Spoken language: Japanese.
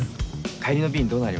帰りの便どうなりました？